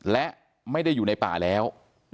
และไม่ได้อยู่ในป่าแล้ว